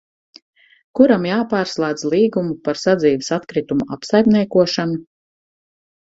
Kuram jāpārslēdz līgumu par sadzīves atkritumu apsaimniekošanu?